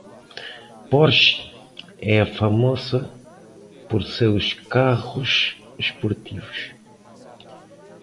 Porsche é famosa por seus carros esportivos.